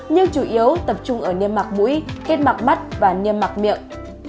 nhưng chủ yếu tập trung ở niêm mặt mũi kết mặt mắt và niêm mặt miệng